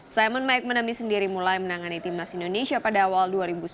simon mcmanamy sendiri mulai menangani timnas indonesia pada awal dua ribu sembilan belas